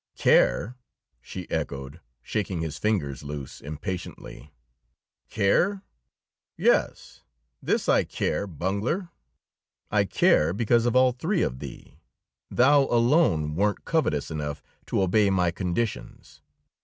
"Care!" she echoed, shaking his fingers loose impatiently. "Care? Yes, this I care, bungler: I care because of all three of thee, thou alone wert covetous enough to obey my conditions.